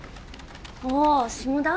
ああ下田？